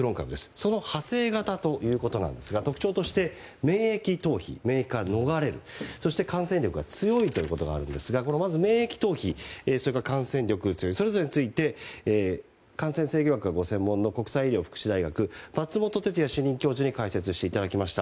その派生型というわけなんですが特徴として、免疫から逃れる感染力が強いということがありますが免疫逃避、感染力が強いことそれぞれについて感染制御学がご専門の国際医療福祉大学松本哲哉主任教授に解説していただきました。